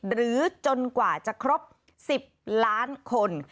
หรือจนกว่าจะครบ๑๐ล้านคน